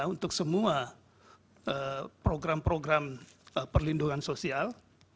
untuk semua program program perlindungan sosial